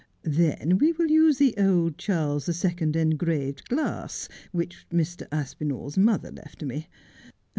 Then we will use the old Charles the Second engraved glass, which Mr. Aspinall's mother left me.